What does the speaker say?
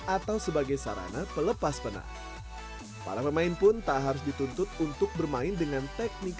atau sebagai sarana pelepas penat para pemain pun tak harus dituntut untuk bermain dengan teknik